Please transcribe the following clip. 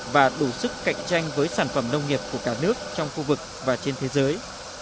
và đủ sức cạnh tranh với sản phẩm nông nghiệp của cả nước trong khu vực và trên thế giới